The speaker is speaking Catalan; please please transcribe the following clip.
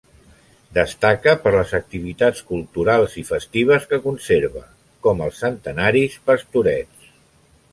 Destaca per les activitats culturals i festives que conserva, com els centenaris Pastorets.